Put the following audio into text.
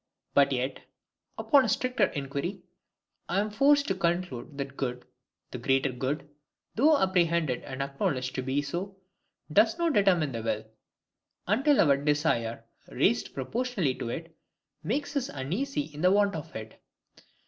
But yet, upon a stricter inquiry, I am forced to conclude that GOOD, the GREATER GOOD, though apprehended and acknowledged to be so, does not determine the will, until our desire, raised proportionably to it, makes us uneasy in the want of it.